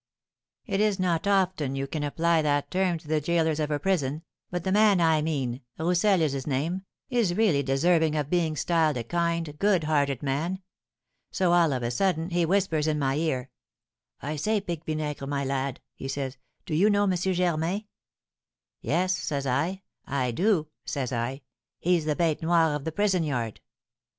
"It is not often you can apply that term to the gaolers of a prison, but the man I mean (Rousel is his name) is really deserving of being styled a kind, good hearted man. So, all of a sudden, he whispers in my ear, 'I say, Pique Vinaigre, my lad,' he says, 'do you know M. Germain?' 'Yes,' says I, 'I do,' says I; 'he's the bête noire of the prison yard.'"